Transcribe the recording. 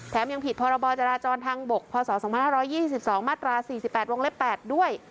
ยังผิดพรบจราจรทางบกพศ๒๕๒๒มาตรา๔๘วงเล็บ๘ด้วย